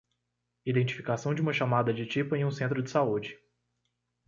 Identificação de uma chamada de tipo em um centro de saúde.